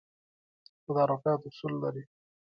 تدارکات اصول لري